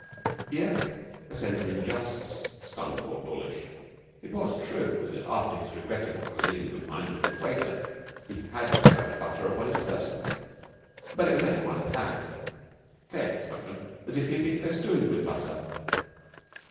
Here a sense of injustice stung Lord Dawlish. It was true that after his regrettable collision with Heinrich, the waiter, he had discovered butter upon his person, but it was only one pat. Claire had spoken as if he had been festooned with butter.